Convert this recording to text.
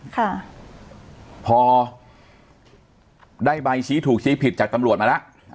ค่ะพอได้ใบชี้ถูกชี้ผิดจากตำรวจมาแล้ว